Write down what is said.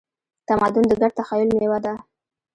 تمدن د ګډ تخیل میوه ده.